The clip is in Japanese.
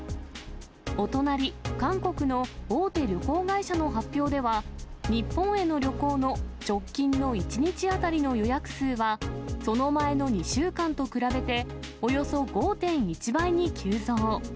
お隣、韓国の大手旅行会社の発表では、日本への旅行の直近の１日当たりの予約数はその前の２週間と比べて、およそ５．１倍に急増。